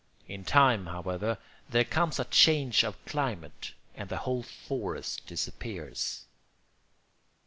In time, however, there comes a change of climate and the whole forest disappears.